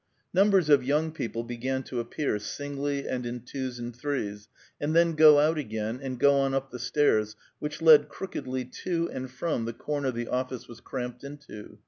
Numbers of young people began to appear, singly and in twos and threes, and then go out again, and go on up the stairs which led crookedly to and from the corner the office was cramped into.